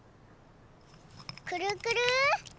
くるくる。